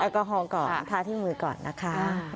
กอฮอลก่อนทาที่มือก่อนนะคะ